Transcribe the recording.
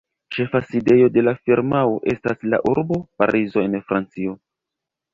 Ĉefa sidejo de la firmao estas la urbo Parizo en Francio.